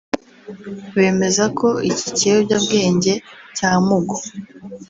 Bemeza ko iki kiyobyabwenge cya Mugo